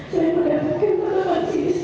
saya mendapatkan penanganan serius